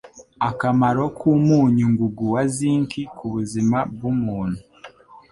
Akamaro k'umunyungungu wa ZINC ku buzima bw'umuntu